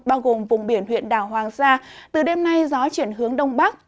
bao gồm vùng biển huyện đảo hoàng sa từ đêm nay gió chuyển hướng đông bắc